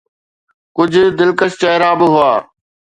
ڪجهه دلڪش چهرا به هئا.